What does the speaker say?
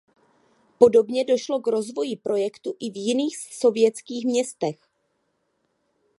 Podobně došlo k rozvoji projektu i v jiných sovětských městech.